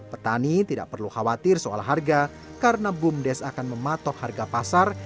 petani tidak perlu khawatir soal harga karena bumdes akan mematok harga pasar